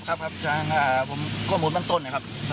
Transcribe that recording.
ครับครับครับผมก้มมุมตั้งต้นครับ